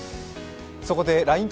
そこでＬＩＮＥ